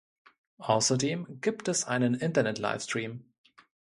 Außerdem gibt es einen Internet-Livestream.